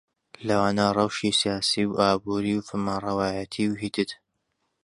لەوانە ڕەوشی سیاسی و ئابووری و فەرمانڕەوایەتی و هتد